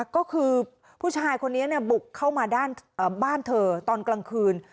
ก็คือผู้ชายคนเนี้ยเนี่ยบุกเข้ามาบ้านเธอตอนกลางคืน